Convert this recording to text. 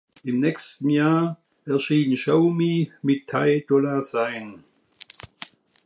Im nächsten Jahr erschien "Show Me" mit Ty Dolla Sign.